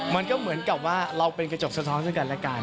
มันก็เหมือนกับว่าเราเป็นกระจกสะท้อนซึ่งกันและกัน